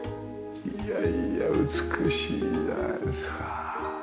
いやいや美しいじゃないですか。